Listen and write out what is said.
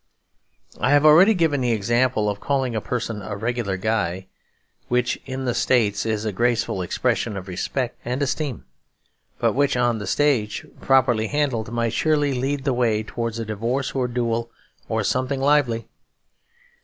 I have already given the example of calling a person 'a regular guy,' which in the States is a graceful expression of respect and esteem, but which on the stage, properly handled, might surely lead the way towards a divorce or duel or something lively.